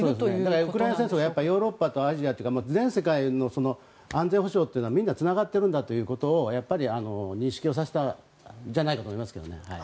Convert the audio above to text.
ウクライナ戦争はヨーロッパとアジアというか全世界の安全保障というのはみんなつながっているんだということを認識をさせたんじゃないかと思いますがね。